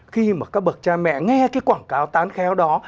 khi mà các bậc cha mẹ nghe cái quảng cáo tán khéo đó